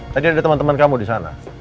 tadi ada teman teman kamu disana